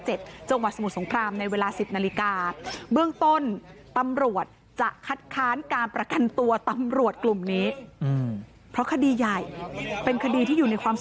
จังหวัดสมุทรสงครามในเวลา๑๐นาฬิกา